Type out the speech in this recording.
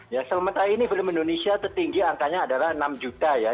ya sementara ini film indonesia tertinggi angkanya adalah enam juta ya